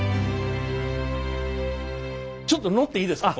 ちょっと乗っていいですか？